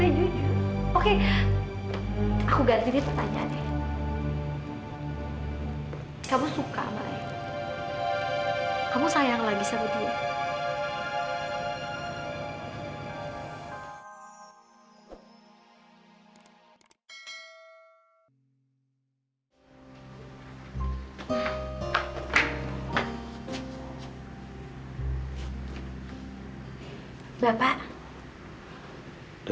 diantar siapa kamu